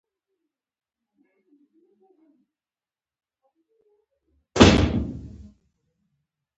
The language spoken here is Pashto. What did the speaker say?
غرمه د طبیعي خوندونو ننداره ده